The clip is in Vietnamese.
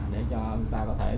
để cho người ta có thể đậu xe